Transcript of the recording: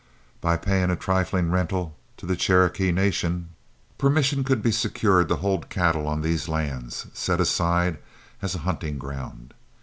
By paying a trifling rental to the Cherokee Nation, permission could be secured to hold cattle on these lands, set aside as a hunting ground.